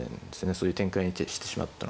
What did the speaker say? そういう展開にしてしまったのが。